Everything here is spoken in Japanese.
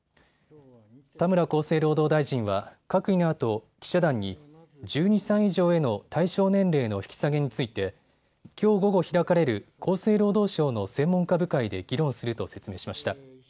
田村厚生労働大臣は閣議のあと記者団に１２歳以上への対象年齢の引き下げについてきょう午後開かれる厚生労働省の専門家部会で議論すると説明しました。